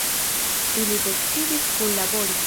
Ili decidis kunlabori.